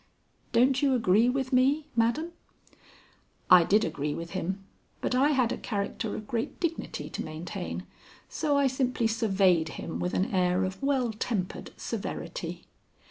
"Don't you agree with me, madam?" I did agree with him; but I had a character of great dignity to maintain, so I simply surveyed him with an air of well tempered severity.